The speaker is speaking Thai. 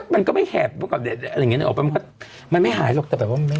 มันก็ไม่แขบมันไม่หายหรอกแต่แบบว่าไม่